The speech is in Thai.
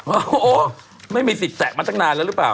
โอ้โหไม่มีสิทธิแตะมาตั้งนานแล้วหรือเปล่า